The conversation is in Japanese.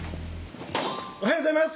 おはようございます！